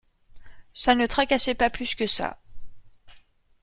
Ça ne le tracassait pas plus que ça.